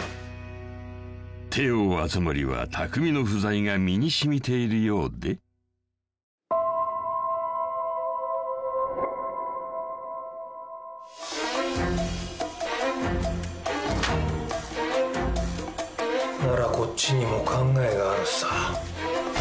［テイオー熱護は匠の不在が身に染みているようで］ならこっちにも考えがあるさ。